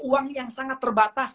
uang yang sangat terbatas